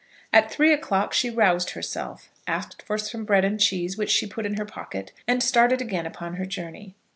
At three o'clock she roused herself, asked for some bread and cheese which she put in her pocket, and started again upon her journey.